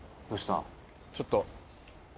ちょっと。